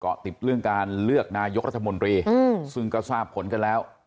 ติดเรื่องการเลือกนายกรัฐมนตรีซึ่งก็ทราบผลกันแล้ว